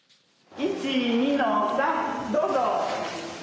１、２の３、どうぞ。